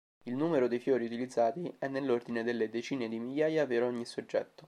Il numero dei fiori utilizzati è nell'ordine delle decine di migliaia per ogni soggetto.